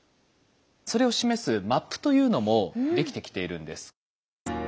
それを示すマップというのも出来てきているんです。